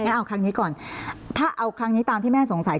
เอาครั้งนี้ก่อนถ้าเอาครั้งนี้ตามที่แม่สงสัย